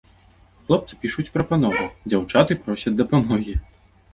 Хлопцы пішуць прапановы, дзяўчаты просяць дапамогі.